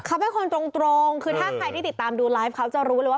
เขาเป็นคนตรงคือถ้าใครที่ติดตามดูไลฟ์เขาจะรู้เลยว่า